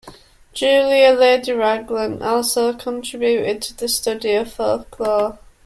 Julia, Lady Raglan also contributed to the study of folklore.